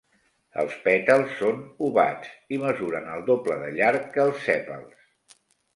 Els pètals són ovats, i mesuren el doble de llarg que els sèpals.